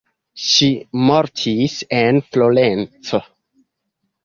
Ŝi mortis en Florenco.